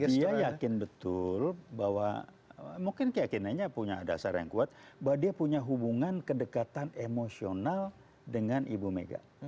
dia yakin betul bahwa mungkin keyakinannya punya dasar yang kuat bahwa dia punya hubungan kedekatan emosional dengan ibu mega